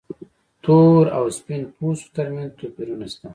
تور او سپین پوستو تر منځ توپیرونه شته.